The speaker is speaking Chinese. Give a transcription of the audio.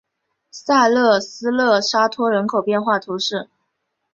萨勒斯勒沙托人口变化图示